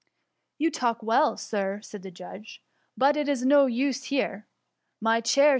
^" You talk well, Sir,'' said the judge ;" but i^'s of no use here. My chair.